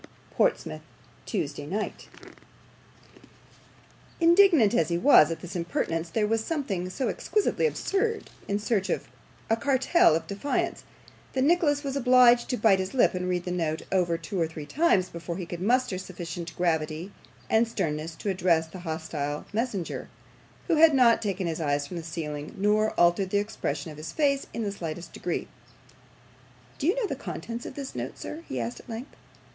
"PORTSMOUTH, TUESDAY NIGHT." Indignant as he was at this impertinence, there was something so exquisitely absurd in such a cartel of defiance, that Nicholas was obliged to bite his lip and read the note over two or three times before he could muster sufficient gravity and sternness to address the hostile messenger, who had not taken his eyes from the ceiling, nor altered the expression of his face in the slightest degree. 'Do you know the contents of this note, sir?' he asked, at length.